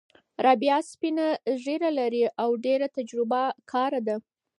رابعه سپینه ږیره لري او ډېره تجربه کاره ده.